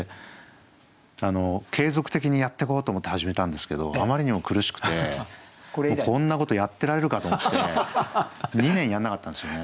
継続的にやってこうと思って始めたんですけどあまりにも苦しくて「こんなことやってられるか」と思って２年やんなかったんですよね。